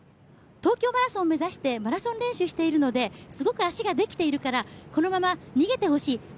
東京マラソンを目指してマラソン練習をしているのですごく足ができているから、このまま逃げてほしい。